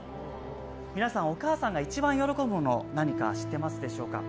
皆さん、お母さんが一番喜ぶもの何か知ってますでしょうか。